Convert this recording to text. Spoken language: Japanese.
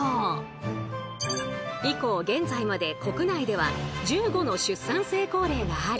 以降現在まで国内では１５の出産成功例があり